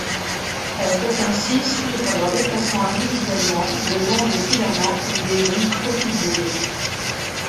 On peut ainsi suivre leur déplacement individuellement le long des filaments ou des microtubules.